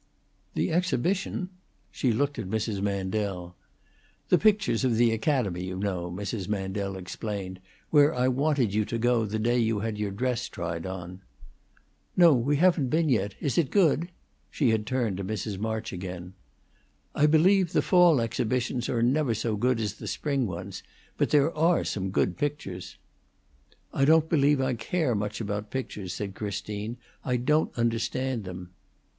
"The exhibition?" She looked at Mrs. Mandel. "The pictures of the Academy, you know," Mrs. Mandel explained. "Where I wanted you to go the day you had your dress tried on." "No; we haven't been yet. Is it good?" She had turned to Mrs. March again. "I believe the fall exhibitions are never so good as the spring ones. But there are some good pictures." "I don't believe I care much about pictures," said Christine. "I don't understand them."